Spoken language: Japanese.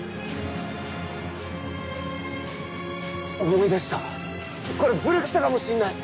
思い出したこれブル来たかもしんない！